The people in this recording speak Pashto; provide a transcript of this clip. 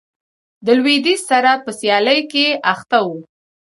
د لوېدیځ سره په سیالۍ کې اخته و.